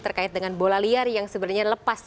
terkait dengan bola liar yang sebenarnya lepas